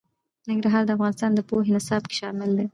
ننګرهار د افغانستان د پوهنې نصاب کې شامل دي.